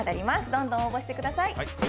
どんどん応募してください。